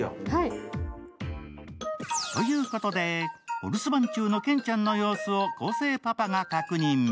ということで、お留守番中のケンちゃんの様子を昴生が確認。